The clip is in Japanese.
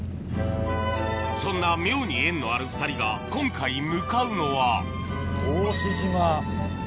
そんな妙に縁のある２人が今回向かうのは答志島。